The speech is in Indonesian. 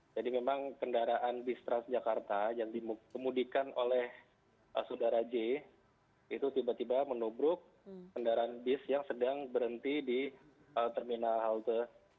jadi memang kendaraan bus transjakarta yang dimudikan oleh saudara j itu tiba tiba menubruk kendaraan bus yang sedang berhenti di terminal halte